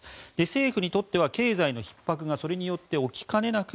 政府にとっては経済のひっ迫がそれによって起きかねなく